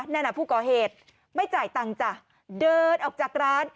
นั่นน่ะผู้ก่อเหตุไม่จ่ายตังค์จ้ะเดินออกจากร้าน